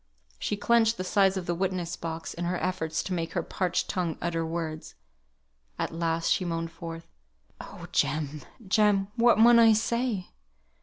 She clenched the sides of the witness box in her efforts to make her parched tongue utter words. At last she moaned forth, "Oh! Jem, Jem! what mun I say?"